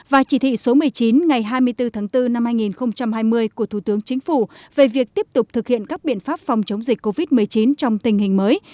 và chỉ thị số một mươi chín ngày hai mươi bốn tháng bốn năm hai nghìn hai mươi của thủ tướng chính phủ về việc tiếp tục thực hiện các biện pháp phòng chống dịch covid một mươi chín trong tình hình mới